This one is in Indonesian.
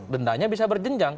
dendanya bisa berjenjang